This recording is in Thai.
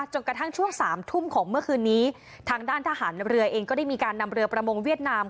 จนกระทั่งช่วงสามทุ่มของเมื่อคืนนี้ทางด้านทหารเรือเองก็ได้มีการนำเรือประมงเวียดนาม